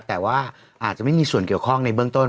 แต่ว่าอาจจะไม่มีส่วนเกี่ยวข้องในเบื้องต้น